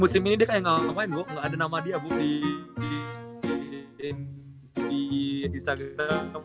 musim ini dia kayak nggak ngapain bu nggak ada nama dia bu di instagram